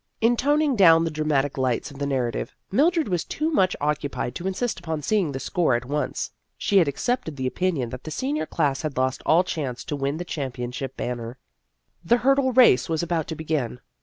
In toning down the dramatic lights of the narrative, Mildred was too o much occupied to insist upon seeing the score at once. She had accepted the opinion that the senior class had lost all chance to win the championship banner. The hurdle race was about to begin.